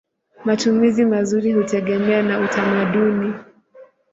Matumizi mazuri hutegemea na utamaduni.